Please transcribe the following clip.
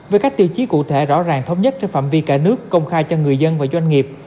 với các tiêu chí cụ thể rõ ràng thống nhất trên phạm vi cả nước công khai cho người dân và doanh nghiệp